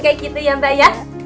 kayak gitu ya mbak ya